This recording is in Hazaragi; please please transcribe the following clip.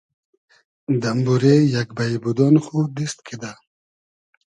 دئمبورې یئگ بݷ بودۉن خو دیست کیدۂ